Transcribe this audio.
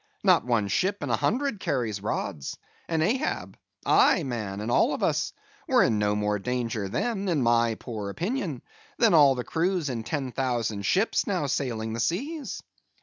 Not one ship in a hundred carries rods, and Ahab,—aye, man, and all of us,—were in no more danger then, in my poor opinion, than all the crews in ten thousand ships now sailing the seas.